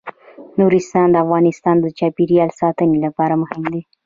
نورستان د افغانستان د چاپیریال ساتنې لپاره مهم دي.